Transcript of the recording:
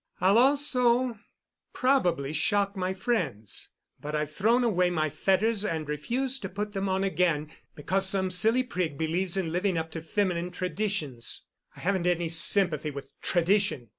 I'll also probably shock my friends—but I've thrown away my fetters and refuse to put them on again because some silly prig believes in living up to feminine traditions. I haven't any sympathy with tradition.